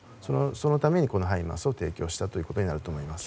そのためにハイマースを提供したということになると思います。